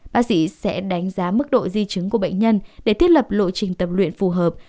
bác sĩ sẽ đánh giá mức độ di chứng của bệnh nhân để thiết lập lộ trình tập luyện phù hợp